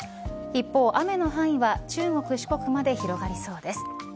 一方、雨の範囲は中国、四国まで広がりそうです。